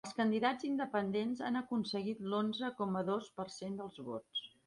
Els candidats independents han aconseguit l’onze coma dos per cent dels vots.